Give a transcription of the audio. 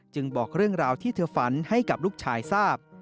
บอกเรื่องราวที่เธอฝันให้กับลูกชายทราบ